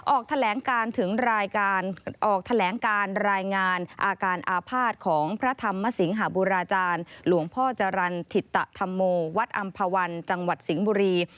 ออกแถลงการรายงานอาการอาภาษณ์ของพระธรรมสิงหบุราจารย์หลวงพ่อจรรย์ถิตธรรโมวัดอำภวัลจังหวัดสิงห์บุรี